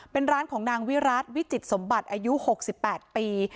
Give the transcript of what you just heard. เป็นร้านของนางวิรัติวิจิตสมบัติอายุ๖๘ปี